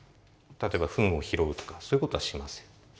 例えばフンを拾うとかそういうことはしません。